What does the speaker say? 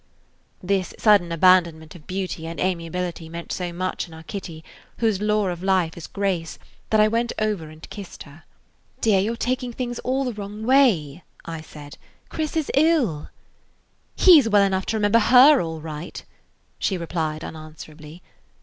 This sudden abandonment of beauty and amiability meant so much in our Kitty, whose law of life is grace, that I went over and kissed her. [Page 59] "Dear, you 're taking things all the wrong way," I said. "Chris is ill–" "He 's well enough to remember her all right," she replied unanswerably.